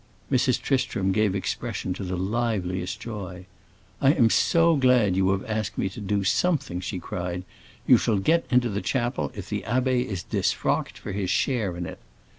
Mrs. Tristram gave expression to the liveliest joy. "I am so glad you have asked me to do something!" she cried. "You shall get into the chapel if the abbé is disfrocked for his share in it."